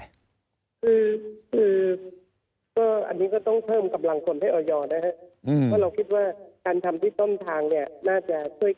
คืออันนี้ก็ต้องเพิ่มกำลังฝนให้อรยอนะครับ